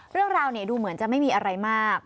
เรื่องราวดูเหมือนจะไม่มีอะไรมาก